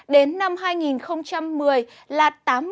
đến năm hai nghìn một mươi là tám mươi